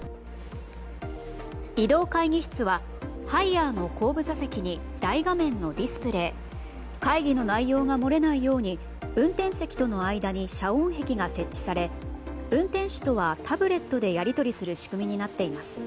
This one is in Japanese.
移動会議室はハイヤーの後部座席に大画面のディスプレー。会議の内容が漏れないように運転席との間に遮音壁が設置され運転手とはタブレットでやり取りする仕組みになっています。